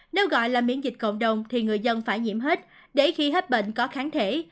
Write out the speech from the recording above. nếu gọi là miễn dịch cộng đồng thì người dân phải nhiễm hết để khi hết bệnh có kháng thể